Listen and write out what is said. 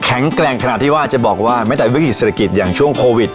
แกร่งขนาดที่ว่าจะบอกว่าไม่แต่วิกฤติเศรษฐกิจอย่างช่วงโควิด